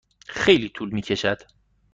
خیلی طول می کشد.